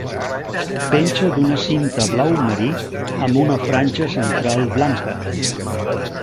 Penja d'una cinta blau marí amb una franja central blanca.